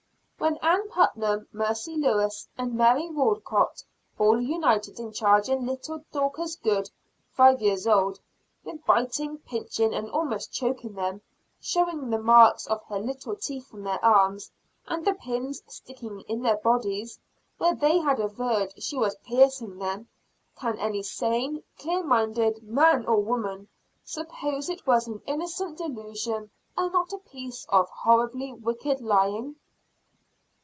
When Ann Putnam, Mercy Lewis and Mary Walcott all united in charging little Dorcas Good five years old! with biting, pinching and almost choking them; "showing the marks of her little teeth on their arms, and the pins sticking in their bodies, where they had averred she was piercing them" can any sane, clear minded man or woman suppose it was an innocent delusion, and not a piece of horribly wicked lying?